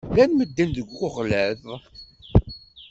Llan medden deg uɣlad.